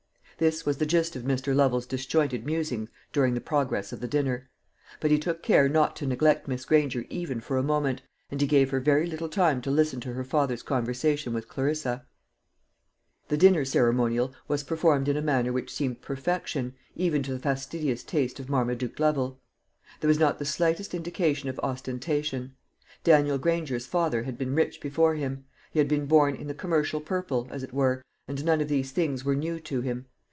This was the gist of Mr. Lovel's disjointed musings during the progress of the dinner; but he took care not to neglect Miss Granger even for a moment, and he gave her very little time to listen to her father's conversation with Clarissa. The dinner ceremonial was performed in a manner which seemed perfection, even to the fastidious taste of Marmaduke Lovel. There was not the faintest indication of ostentation. Daniel Granger's father had been rich before him; he had been born in the commercial purple, as it were, and none of these things were new to him.